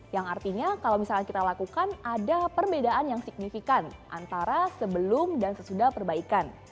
yang artinya kalau misalkan kita lakukan ada perbedaan yang signifikan antara sebelum dan sesudah perbaikan